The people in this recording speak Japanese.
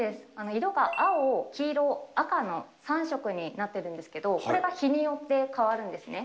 色が青、黄色、赤の３色になってるんですけど、これが日によって変わるんですね。